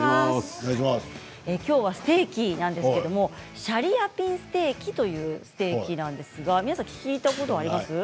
きょうはステーキなんですけれども、シャリアピンステーキというのは皆さん聞いたことありますか？